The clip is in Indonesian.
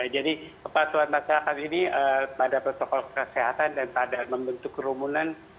jadi kepatuhan masyarakat ini pada persokok kesehatan dan pada membentuk kerumunan